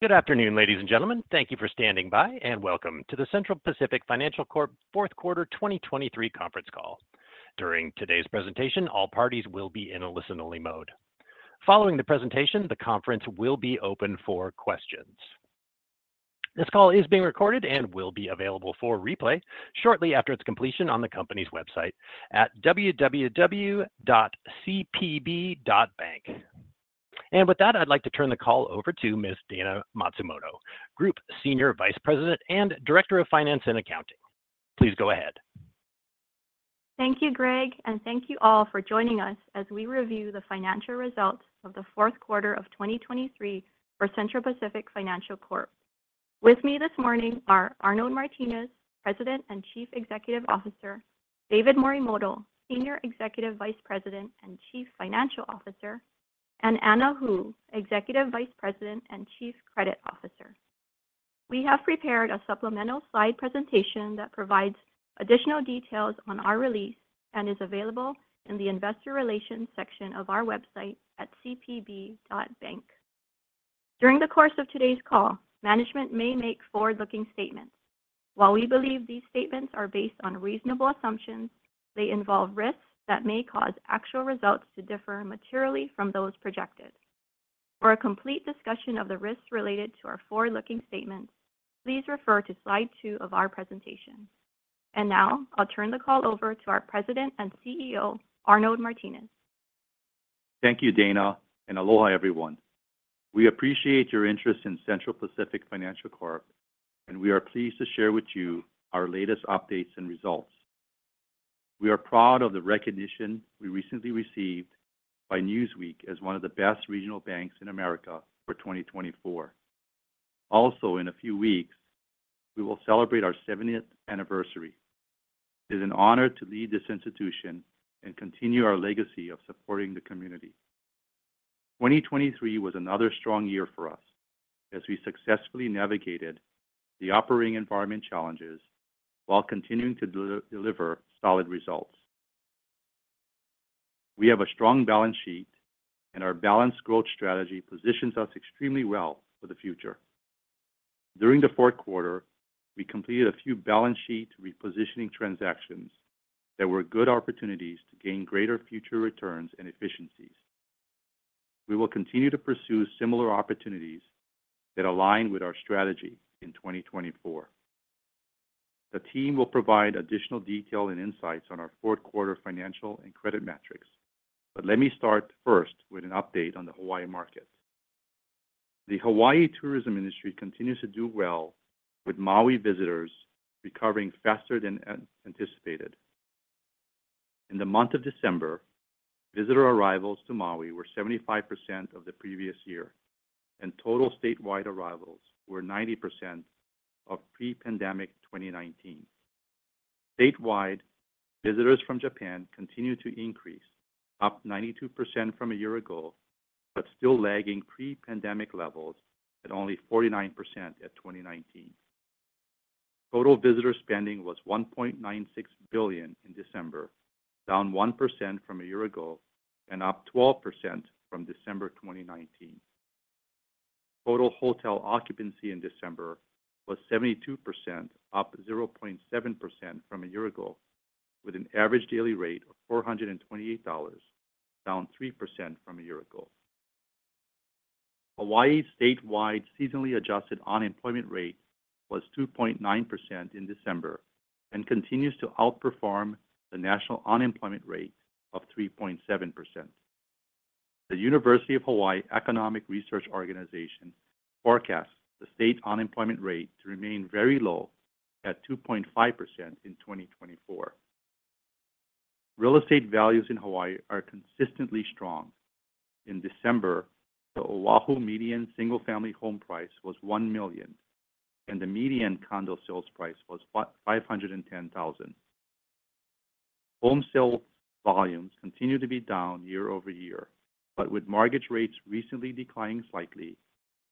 Good afternoon, ladies and gentlemen. Thank you for standing by, and welcome to the Central Pacific Financial Corp Fourth Quarter 2023 conference call. During today's presentation, all parties will be in a listen-only mode. Following the presentation, the conference will be open for questions. This call is being recorded and will be available for replay shortly after its completion on the company's website at www.cpb.bank. And with that, I'd like to turn the call over to Ms. Dayna Matsumoto, Group Senior Vice President and Director of Finance and Accounting. Please go ahead. Thank you, Greg, and thank you all for joining us as we review the financial results of the fourth quarter of 2023 for Central Pacific Financial Corp. With me this morning are Arnold Martines, President and Chief Executive Officer, David Morimoto, Senior Executive Vice President and Chief Financial Officer, and Anna Hu, Executive Vice President and Chief Credit Officer. We have prepared a supplemental slide presentation that provides additional details on our release and is available in the Investor Relations section of our website at cpb.bank. During the course of today's call, management may make forward-looking statements. While we believe these statements are based on reasonable assumptions, they involve risks that may cause actual results to differ materially from those projected. For a complete discussion of the risks related to our forward-looking statements, please refer to slide 2 of our presentation. And now, I'll turn the call over to our President and CEO, Arnold Martines. Thank you, Dayna, and aloha, everyone. We appreciate your interest in Central Pacific Financial Corp., and we are pleased to share with you our latest updates and results. We are proud of the recognition we recently received by Newsweek as one of the best regional banks in America for 2024. Also, in a few weeks, we will celebrate our 70th anniversary. It is an honor to lead this institution and continue our legacy of supporting the community. 2023 was another strong year for us as we successfully navigated the operating environment challenges while continuing to deliver solid results. We have a strong balance sheet, and our balanced growth strategy positions us extremely well for the future. During the fourth quarter, we completed a few balance sheet repositioning transactions that were good opportunities to gain greater future returns and efficiencies. We will continue to pursue similar opportunities that align with our strategy in 2024. The team will provide additional detail and insights on our fourth quarter financial and credit metrics, but let me start first with an update on the Hawaii market. The Hawaii tourism industry continues to do well, with Maui visitors recovering faster than anticipated. In the month of December, visitor arrivals to Maui were 75% of the previous year, and total statewide arrivals were 90% of pre-pandemic 2019. Statewide, visitors from Japan continue to increase, up 92% from a year ago, but still lagging pre-pandemic levels at only 49% at 2019. Total visitor spending was $1.96 billion in December, down 1% from a year ago and up 12% from December 2019 Total hotel occupancy in December was 72%, up 0.7% from a year ago, with an average daily rate of $428, down 3% from a year ago. Hawaii's statewide seasonally adjusted unemployment rate was 2.9% in December and continues to outperform the national unemployment rate of 3.7%. The University of Hawaii Economic Research Organization forecasts the state unemployment rate to remain very low at 2.5% in 2024. Real estate values in Hawaii are consistently strong. In December, the Oahu median single-family home price was $1 million, and the median condo sales price was $510,000. Home sale volumes continue to be down year-over-year, but with mortgage rates recently declining slightly,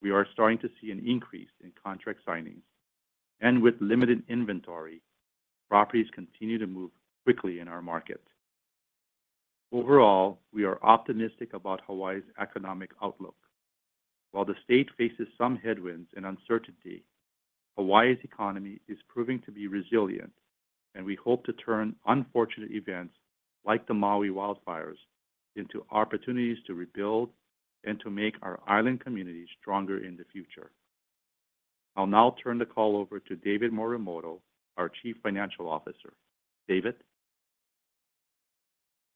we are starting to see an increase in contract signings. With limited inventory, properties continue to move quickly in our markets. Overall, we are optimistic about Hawaii's economic outlook. While the state faces some headwinds and uncertainty, Hawaii's economy is proving to be resilient, and we hope to turn unfortunate events, like the Maui wildfires, into opportunities to rebuild and to make our island community stronger in the future. I'll now turn the call over to David Morimoto, our Chief Financial Officer. David?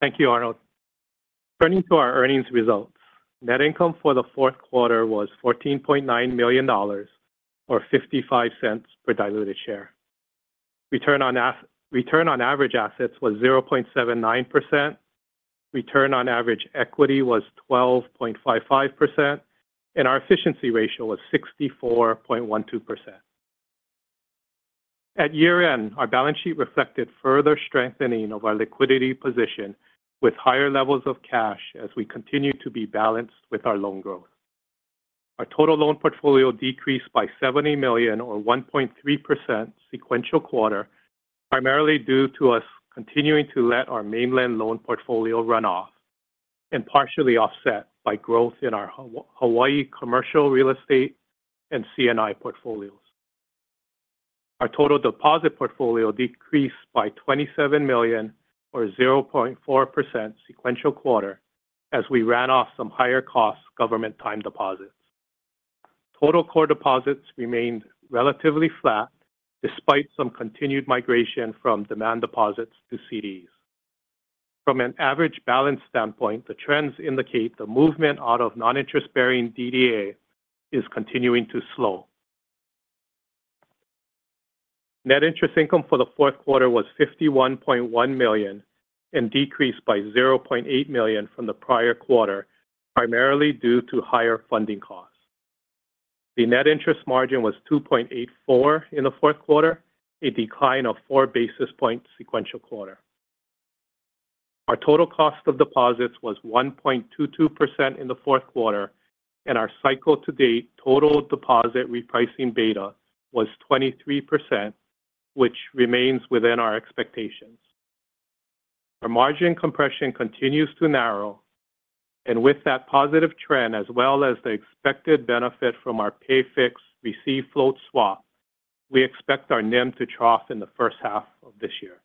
Thank you, Arnold. Turning to our earnings results, net income for the fourth quarter was $14.9 million or $0.55 per diluted share. Return on average assets was 0.79%, return on average equity was 12.55%, and our efficiency ratio was 64.12%. At year-end, our balance sheet reflected further strengthening of our liquidity position with higher levels of cash as we continue to be balanced with our loan growth. Our total loan portfolio decreased by $70 million or 1.3% sequential quarter, primarily due to us continuing to let our mainland loan portfolio run off... and partially offset by growth in our Hawaii commercial real estate and C&I portfolios. Our total deposit portfolio decreased by $27 million, or 0.4% sequential quarter, as we ran off some higher cost government time deposits. Total core deposits remained relatively flat, despite some continued migration from demand deposits to CDs. From an average balance standpoint, the trends indicate the movement out of non-interest bearing DDA is continuing to slow. Net interest income for the fourth quarter was $51.1 million and decreased by $0.8 million from the prior quarter, primarily due to higher funding costs. The net interest margin was 2.84 in the fourth quarter, a decline of 4 basis points sequential quarter. Our total cost of deposits was 1.22% in the fourth quarter, and our cycle-to-date total deposit repricing beta was 23%, which remains within our expectations. Our margin compression continues to narrow, and with that positive trend, as well as the expected benefit from our pay fixed, receive float swap, we expect our NIM to trough in the first half of this year.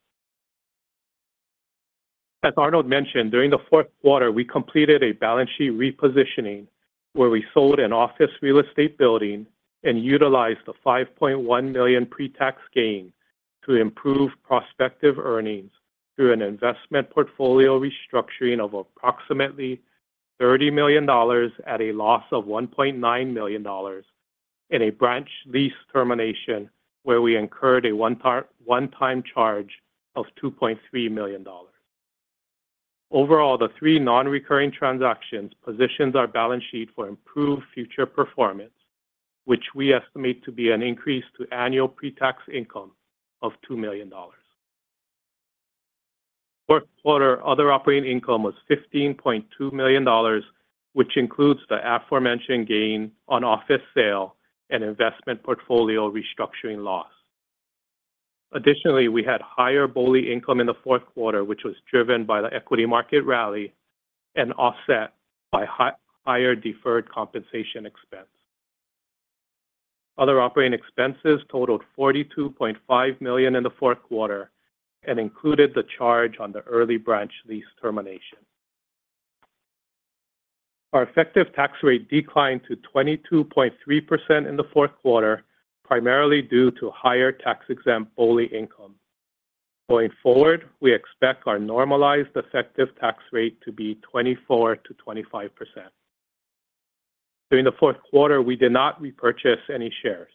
As Arnold mentioned, during the fourth quarter, we completed a balance sheet repositioning, where we sold an office real estate building and utilized the $5.1 million pre-tax gain to improve prospective earnings through an investment portfolio restructuring of approximately $30 million at a loss of $1.9 million in a branch lease termination, where we incurred a one-time charge of $2.3 million. Overall, the three non-recurring transactions positions our balance sheet for improved future performance, which we estimate to be an increase to annual pre-tax income of $2 million. Fourth quarter other operating income was $15.2 million, which includes the aforementioned gain on office sale and investment portfolio restructuring loss. Additionally, we had higher BOLI income in the fourth quarter, which was driven by the equity market rally and offset by higher deferred compensation expense. Other operating expenses totaled $42.5 million in the fourth quarter and included the charge on the early branch lease termination. Our effective tax rate declined to 22.3% in the fourth quarter, primarily due to higher tax-exempt BOLI income. Going forward, we expect our normalized effective tax rate to be 24%-25%. During the fourth quarter, we did not repurchase any shares.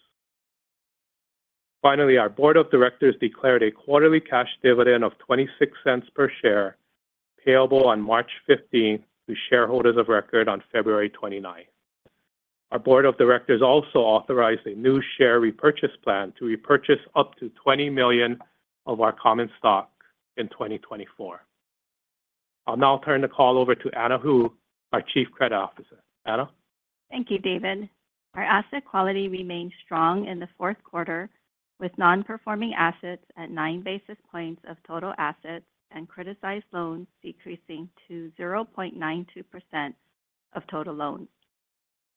Finally, our board of directors declared a quarterly cash dividend of $0.26 per share, payable on March 15th to shareholders of record on February 29th. Our board of directors also authorized a new share repurchase plan to repurchase up to 20 million of our common stock in 2024. I'll now turn the call over to Anna Hu, our Chief Credit Officer. Anna? Thank you, David. Our asset quality remained strong in the fourth quarter, with non-performing assets at 9 basis points of total assets and criticized loans decreasing to 0.92% of total loans.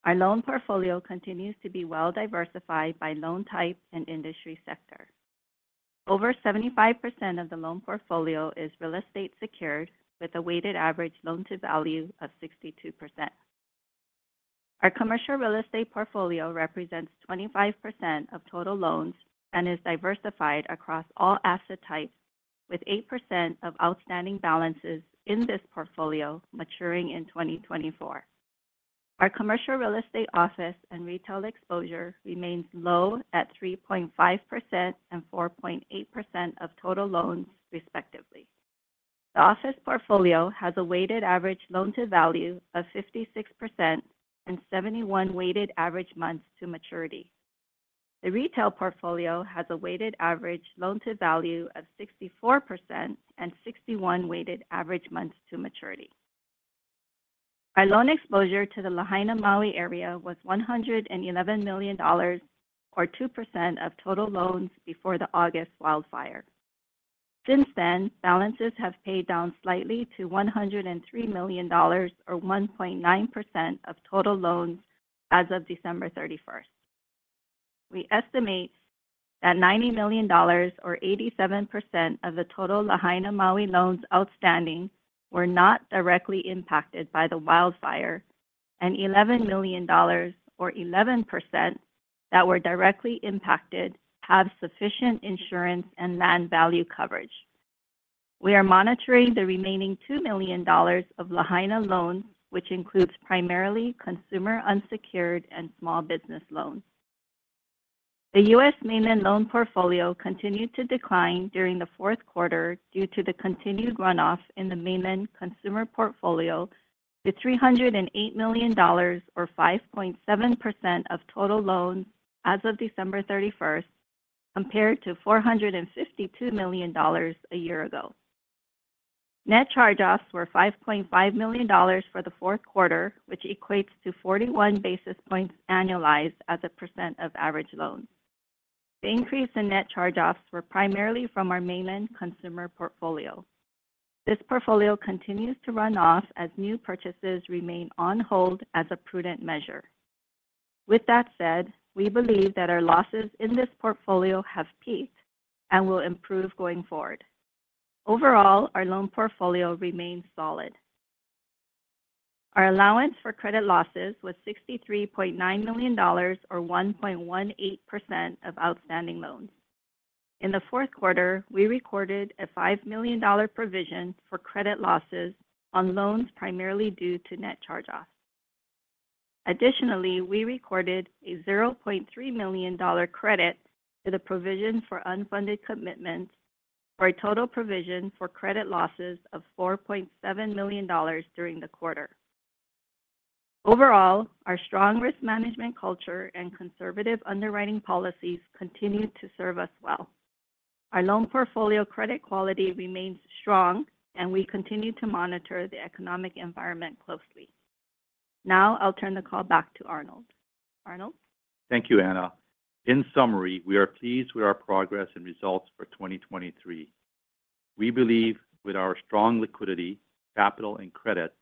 Our loan portfolio continues to be well-diversified by loan type and industry sector. Over 75% of the loan portfolio is real estate secured, with a weighted average loan-to-value of 62%. Our commercial real estate portfolio represents 25% of total loans and is diversified across all asset types, with 8% of outstanding balances in this portfolio maturing in 2024. Our commercial real estate office and retail exposure remains low at 3.5% and 4.8% of total loans, respectively. The office portfolio has a weighted average loan-to-value of 56% and 71 weighted average months to maturity. The retail portfolio has a weighted average loan-to-value of 64% and 61 weighted average months to maturity. Our loan exposure to the Lahaina Maui area was $111 million, or 2% of total loans before the August wildfire. Since then, balances have paid down slightly to $103 million, or 1.9% of total loans as of December 31. We estimate that $90 million, or 87% of the total Lahaina Maui loans outstanding, were not directly impacted by the wildfire, and $11 million, or 11%, that were directly impacted, have sufficient insurance and land value coverage. We are monitoring the remaining $2 million of Lahaina loans, which includes primarily consumer, unsecured, and small business loans. The U.S. mainland loan portfolio continued to decline during the fourth quarter due to the continued runoff in the mainland consumer portfolio to $308 million, or 5.7% of total loans as of December 31, compared to $452 million a year ago. Net charge-offs were $5.5 million for the fourth quarter, which equates to 41 basis points annualized as a percent of average loans. The increase in net charge-offs were primarily from our mainland consumer portfolio. This portfolio continues to run off as new purchases remain on hold as a prudent measure. With that said, we believe that our losses in this portfolio have peaked and will improve going forward. Overall, our loan portfolio remains solid. Our allowance for credit losses was $63.9 million, or 1.18% of outstanding loans. In the fourth quarter, we recorded a $5 million provision for credit losses on loans, primarily due to net charge-offs. Additionally, we recorded a $0.3 million credit to the provision for unfunded commitments for a total provision for credit losses of $4.7 million during the quarter. Overall, our strong risk management culture and conservative underwriting policies continue to serve us well. Our loan portfolio credit quality remains strong, and we continue to monitor the economic environment closely. Now I'll turn the call back to Arnold. Arnold? Thank you, Anna. In summary, we are pleased with our progress and results for 2023. We believe with our strong liquidity, capital, and credit,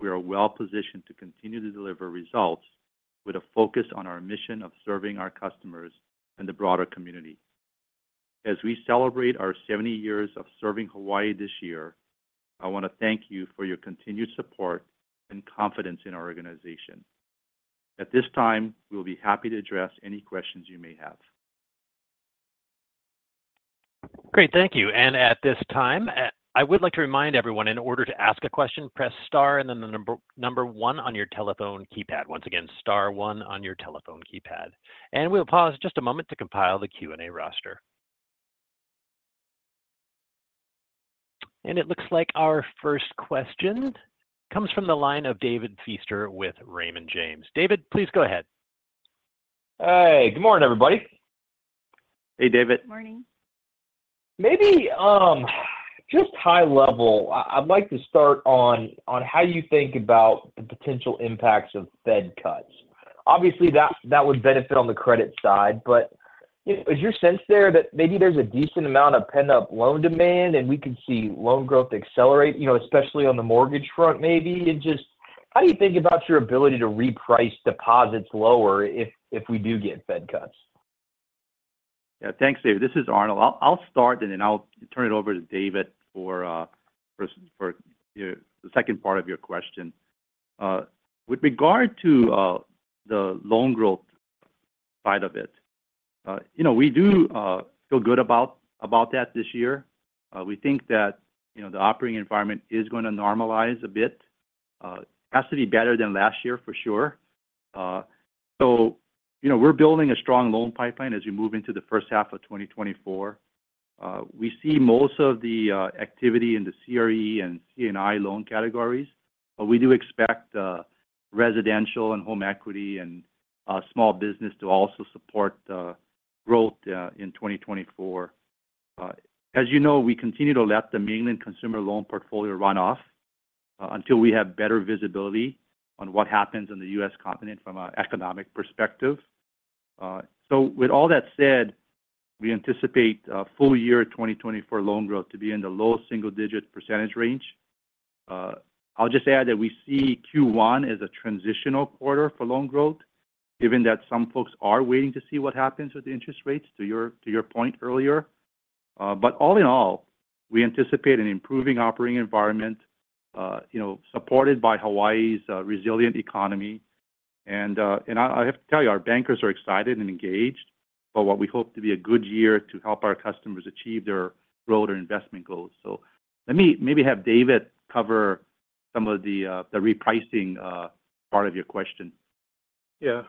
we are well positioned to continue to deliver results with a focus on our mission of serving our customers and the broader community. As we celebrate our 70 years of serving Hawaii this year, I want to thank you for your continued support and confidence in our organization. At this time, we'll be happy to address any questions you may have. Great, thank you. And at this time, I would like to remind everyone, in order to ask a question, press star and then the number, number one on your telephone keypad. Once again, star one on your telephone keypad. And we'll pause just a moment to compile the Q&A roster. And it looks like our first question comes from the line of David Feaster with Raymond James. David, please go ahead. Hi, good morning, everybody. Hey, David. Morning. Maybe, just high level, I'd like to start on how you think about the potential impacts of Fed cuts. Obviously, that would benefit on the credit side, but, you know, is your sense there that maybe there's a decent amount of pent-up loan demand, and we could see loan growth accelerate, you know, especially on the mortgage front, maybe? And just how do you think about your ability to reprice deposits lower if we do get Fed cuts? Yeah. Thanks, David. This is Arnold. I'll start, and then I'll turn it over to David for the second part of your question. With regard to the loan growth side of it, you know, we do feel good about that this year. We think that, you know, the operating environment is going to normalize a bit. It has to be better than last year, for sure. So, you know, we're building a strong loan pipeline as we move into the first half of 2024. We see most of the activity in the CRE and C&I loan categories, but we do expect residential and home equity and small business to also support growth in 2024. As you know, we continue to let the mainland consumer loan portfolio run off until we have better visibility on what happens in the U.S. continent from an economic perspective. So with all that said, we anticipate a full year 2024 loan growth to be in the low single-digit % range. I'll just add that we see Q1 as a transitional quarter for loan growth, given that some folks are waiting to see what happens with interest rates, to your point earlier. But all in all, we anticipate an improving operating environment, you know, supported by Hawaii's resilient economy. And I have to tell you, our bankers are excited and engaged about what we hope to be a good year to help our customers achieve their growth or investment goals. So let me maybe have David cover some of the repricing part of your question. Yeah.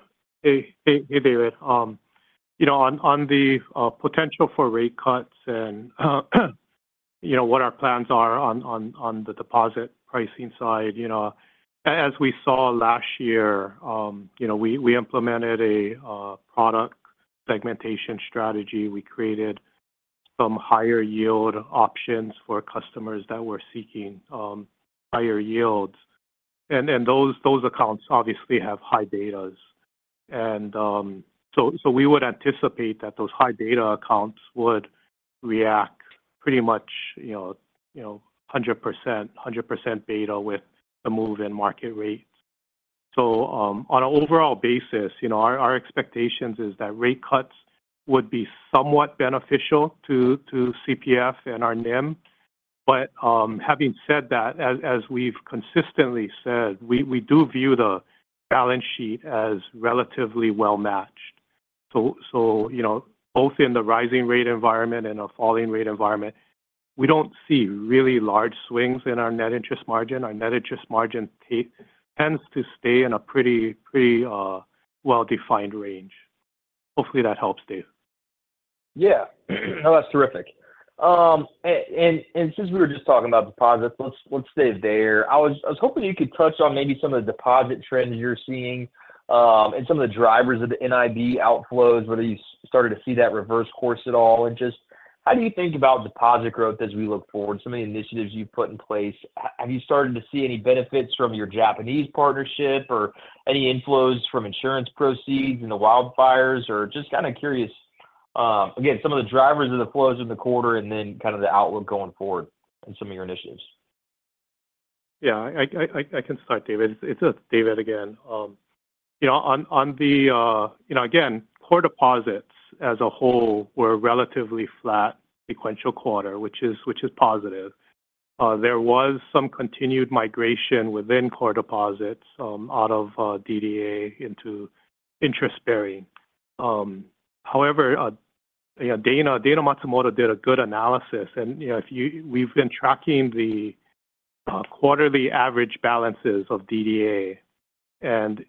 Hey, hey, hey, David. You know, on the potential for rate cuts and, you know, what our plans are on the deposit pricing side, you know, as we saw last year, you know, we implemented a product segmentation strategy. We created some higher yield options for customers that were seeking higher yields. And those accounts obviously have high betas. And so we would anticipate that those high beta accounts would react pretty much, you know, 100%, 100% beta with the move in market rates. So, on an overall basis, you know, our expectations is that rate cuts would be somewhat beneficial to CPF and our NIM. But, having said that, as we've consistently said, we do view the balance sheet as relatively well matched. You know, both in the rising rate environment and a falling rate environment, we don't see really large swings in our net interest margin. Our net interest margin tends to stay in a pretty well-defined range. Hopefully, that helps, David. Yeah. No, that's terrific. And since we were just talking about deposits, let's stay there. I was hoping you could touch on maybe some of the deposit trends you're seeing, and some of the drivers of the NIB outflows, whether you started to see that reverse course at all, and just how do you think about deposit growth as we look forward? So many initiatives you've put in place. Have you started to see any benefits from your Japanese partnership or any inflows from insurance proceeds in the wildfires? Or just kind of curious, again, some of the drivers of the flows in the quarter, and then kind of the outlook going forward and some of your initiatives. Yeah, I can start, David. It's David again. You know, on the, you know, again, core deposits as a whole were relatively flat sequential quarter, which is positive. There was some continued migration within core deposits, out of DDA into interest-bearing. However, you know, Dayna Matsumoto did a good analysis. And, you know, if you-- we've been tracking the quarterly average balances of DDA, and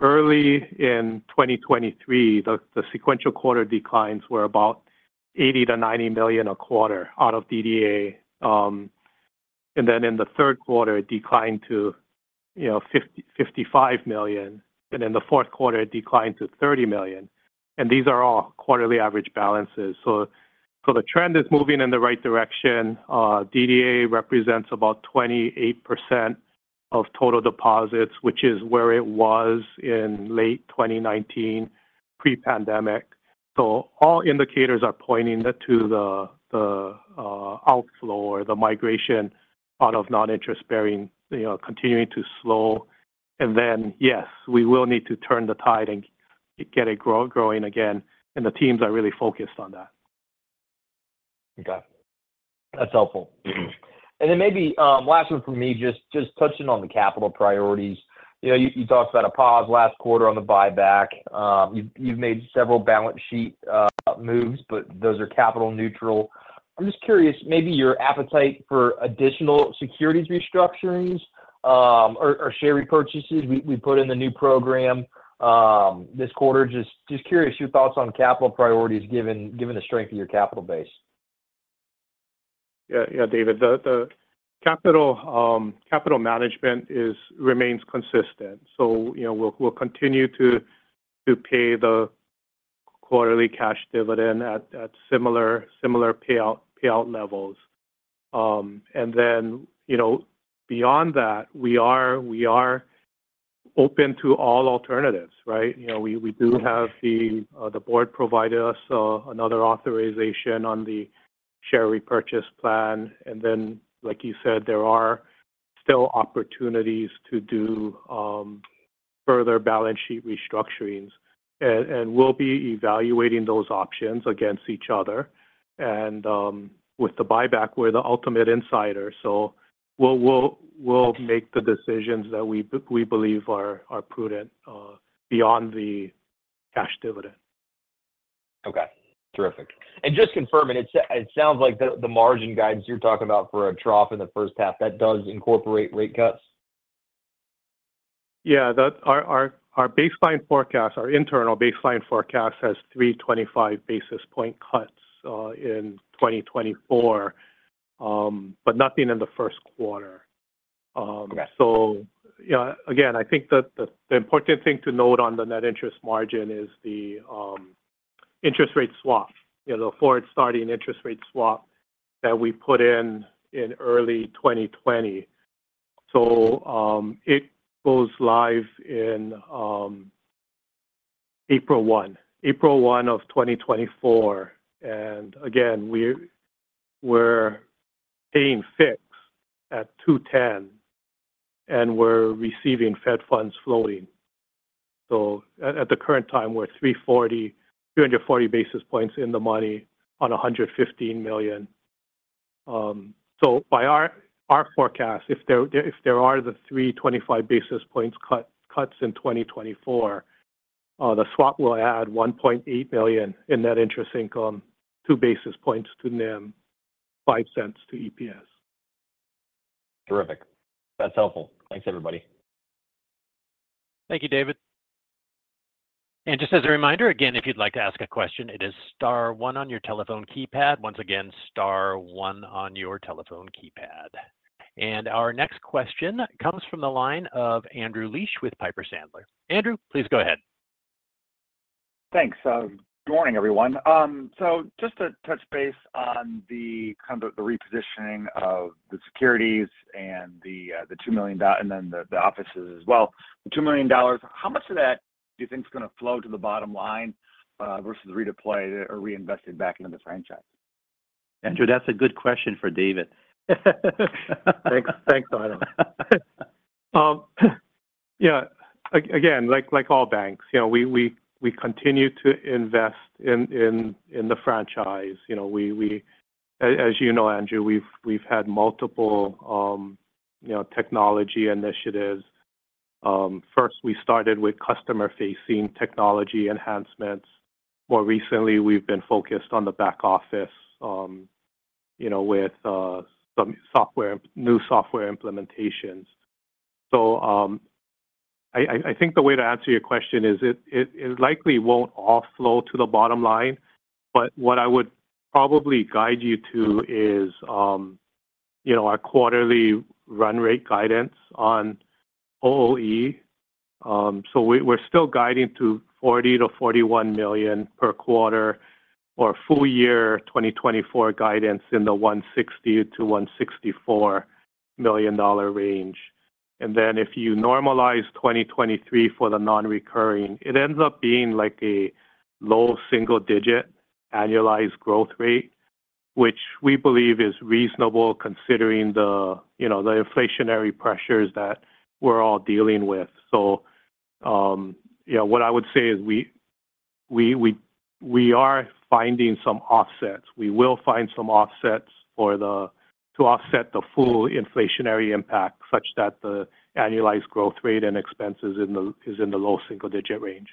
early in 2023, the sequential quarter declines were about $80 million-$90 million a quarter out of DDA. And then in the third quarter, it declined to $55 million, and in the fourth quarter, it declined to $30 million. And these are all quarterly average balances. So the trend is moving in the right direction. DDA represents about 28% of total deposits, which is where it was in late 2019 pre-pandemic. So all indicators are pointing to the outflow or the migration out of non-interest-bearing, you know, continuing to slow. And then, yes, we will need to turn the tide and get it growing again, and the teams are really focused on that. Okay. That's helpful. Mm-hmm. And then maybe, last one from me, just touching on the capital priorities. You know, you talked about a pause last quarter on the buyback. You've made several balance sheet moves, but those are capital neutral. I'm just curious, maybe your appetite for additional securities restructurings, or share repurchases. We put in the new program this quarter. Just curious, your thoughts on capital priorities, given the strength of your capital base. Yeah, yeah, David, the capital management remains consistent, so, you know, we'll continue to pay the quarterly cash dividend at similar payout levels. And then, you know, beyond that, we are open to all alternatives, right? You know, we do have the board provided us another authorization on the share repurchase plan. And then, like you said, there are still opportunities to do further balance sheet restructurings. And we'll be evaluating those options against each other. And with the buyback, we're the ultimate insider, so we'll make the decisions that we believe are prudent beyond the cash dividend. Okay. Terrific. And just confirming, it sounds like the margin guidance you're talking about for a trough in the first half, that does incorporate rate cuts? Yeah, that's our baseline forecast, our internal baseline forecast has 3 25 basis point cuts in 2024, but nothing in the first quarter. Okay. So yeah. Again, I think the important thing to note on the net interest margin is the interest rate swap, you know, the forward-starting interest rate swap that we put in in early 2020. So it goes live in April 1, 2024. And again, we're paying fixed at 2.10, and we're receiving Fed funds floating. So at the current time, we're 3.40, 340 basis points in the money on $115 million. So by our forecast, if there are the 325 basis points cuts in 2024, the swap will add $1.8 billion in net interest income, 2 basis points to NIM, $0.05 to EPS. Terrific. That's helpful. Thanks, everybody. Thank you, David. Just as a reminder, again, if you'd like to ask a question, it is star one on your telephone keypad. Once again, star one on your telephone keypad. Our next question comes from the line of Andrew Liesch with Piper Sandler. Andrew, please go ahead. Thanks. Good morning, everyone. So just to touch base on the kind of repositioning of the securities and the $2 million and then the offices as well. The $2 million, how much of that do you think is going to flow to the bottom line versus redeployed or reinvested back into the franchise? Andrew, that's a good question for David. Thanks. Thanks, Arnold. Yeah, again, like all banks, you know, we continue to invest in the franchise. You know, as you know, Andrew, we've had multiple, you know, technology initiatives. First, we started with customer-facing technology enhancements. More recently, we've been focused on the back office, you know, with some software, new software implementations. So, I think the way to answer your question is it likely won't all flow to the bottom line, but what I would probably guide you to is, you know, our quarterly run rate guidance on OOE. So, we're still guiding to $40-41 million per quarter or full year 2024 guidance in the $160-164 million range. And then if you normalize 2023 for the non-recurring, it ends up being like a low single digit annualized growth rate, which we believe is reasonable considering the, you know, the inflationary pressures that we're all dealing with. So, yeah, what I would say is we are finding some offsets. We will find some offsets to offset the full inflationary impact, such that the annualized growth rate and expenses in the is in the low single digit range.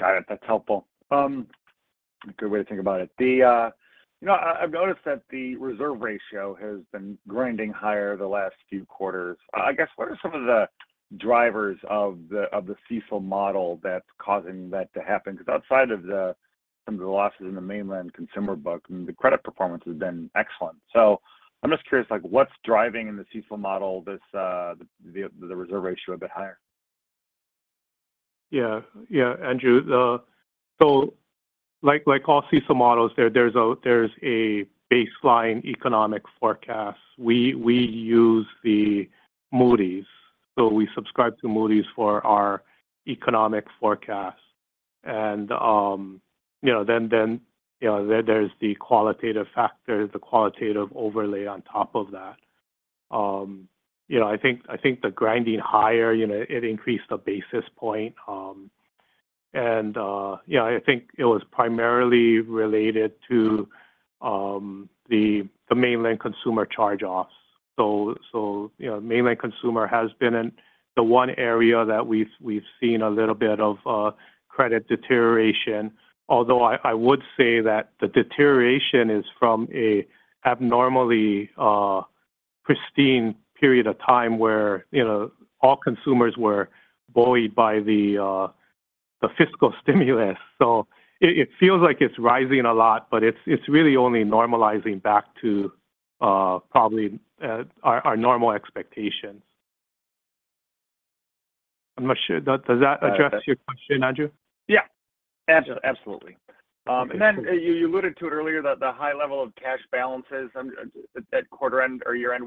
Got it. That's helpful. A good way to think about it. You know, I've noticed that the reserve ratio has been grinding higher the last few quarters. I guess, what are some of the drivers of the CECL model that's causing that to happen? Because outside of some of the losses in the mainland consumer book, the credit performance has been excellent. So I'm just curious, like, what's driving in the CECL model this the reserve ratio a bit higher? Yeah. Yeah, Andrew, so like all CECL models, there's a baseline economic forecast. We use the Moody's, so we subscribe to Moody's for our economic forecast. And, you know, then, there's the qualitative factor, the qualitative overlay on top of that. You know, I think the grinding higher, you know, it increased the basis point. And, yeah, I think it was primarily related to the mainland consumer charge-offs. So, you know, mainland consumer has been the one area that we've seen a little bit of credit deterioration. Although, I would say that the deterioration is from an abnormally pristine period of time where, you know, all consumers were buoyed by the fiscal stimulus. So it feels like it's rising a lot, but it's really only normalizing back to, probably, our normal expectations. I'm not sure. Does that address your question, Andrew? Yeah. Absolutely. And then you alluded to it earlier that the high level of cash balances at quarter end or year end,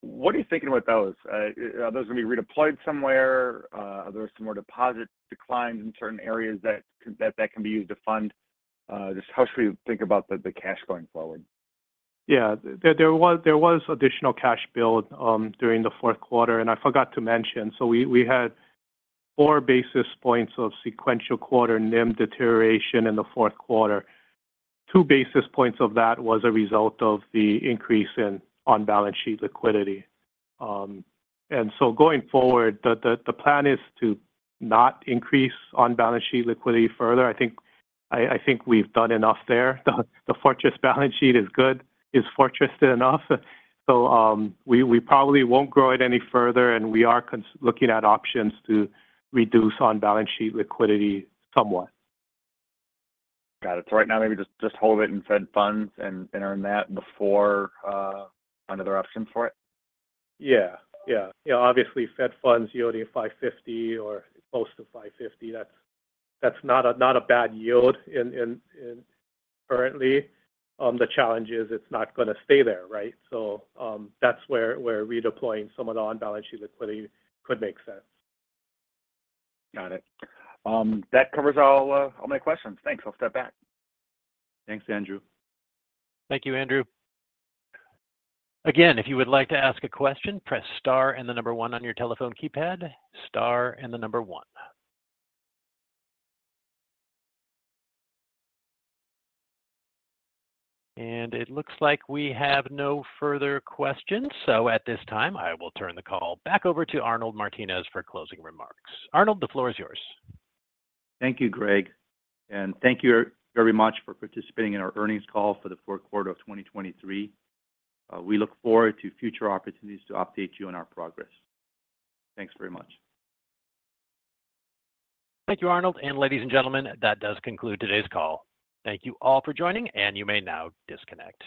what are you thinking about those? Are those going to be redeployed somewhere? Are there some more deposit declines in certain areas that can be used to fund? Just how should we think about the cash going forward? Yeah. There was additional cash build during the fourth quarter, and I forgot to mention. So we had four basis points of sequential quarter NIM deterioration in the fourth quarter. Two basis points of that was a result of the increase in on-balance sheet liquidity. And so going forward, the plan is to not increase on-balance sheet liquidity further. I think we've done enough there. The fortress balance sheet is good, is fortressed enough, so we probably won't grow it any further, and we are looking at options to reduce on-balance sheet liquidity somewhat. Got it. So right now, maybe just, just hold it in Fed funds and earn that before find other option for it? Yeah, yeah. You know, obviously, Fed funds yielding 5.50 or close to 5.50, that's not a bad yield in... Currently, the challenge is it's not gonna stay there, right? So, that's where redeploying some of the on-balance sheet liquidity could make sense. Got it. That covers all my questions. Thanks. I'll step back. Thanks, Andrew. Thank you, Andrew. Again, if you would like to ask a question, press star and the number one on your telephone keypad. Star and the number one. It looks like we have no further questions. At this time, I will turn the call back over to Arnold Martines for closing remarks. Arnold, the floor is yours. Thank you, Greg, and thank you very much for participating in our earnings call for the fourth quarter of 2023. We look forward to future opportunities to update you on our progress. Thanks very much. Thank you, Arnold. Ladies and gentlemen, that does conclude today's call. Thank you all for joining, and you may now disconnect.